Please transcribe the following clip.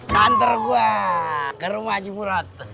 kanter gua ke rumah jemurot